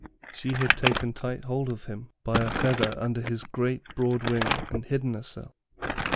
She had taken tight hold of him by a feather under his great, broad wing and hidden herself.